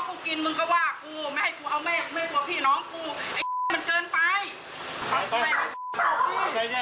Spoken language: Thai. กูแค่พูดกับมึงกูแค่อธิบายมึงฟังว่าเออเรายังมีค่าคุณจ่ายอีกเยอะนะ